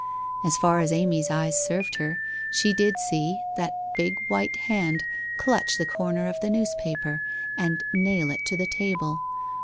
As far as Amy's eyes served her she did see that big white hand clutch the corner of the newspaper, and nail it to the table.